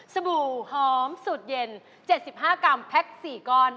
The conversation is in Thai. บู่หอมสูตรเย็น๗๕กรัมแพ็ค๔ก้อน